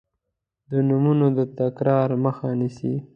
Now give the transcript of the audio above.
د نومونو د تکرار مخه نیسي.